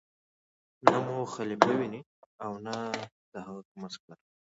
نه مو خلیفه ویني او نه د هغه کوم عسکر.